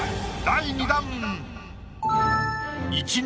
第２弾！